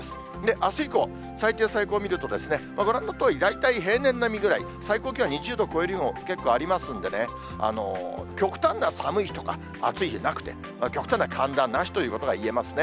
あす以降、最低、最高見ると、ご覧のとおり、大体平年並みぐらい、最高気温２０度を超えるような日も結構ありますんでね、極端な寒い日とか、暑い日なくて、極端な寒暖なしということがいえますね。